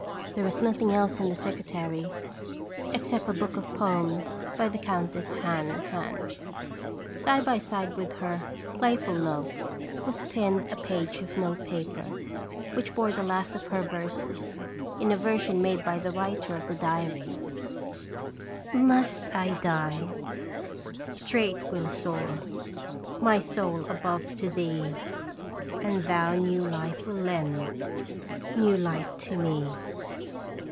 There was nothing else in the secretary, except a book of poems by the Countess Hahn Hahn. Side by side with her *' Playful Love" was pinned a page of note paper, which bore the last of her verses, in a version made by the writer of the diary: Must I die? straight will soar My soul above to thee ; And thou new life will lend, New light to me.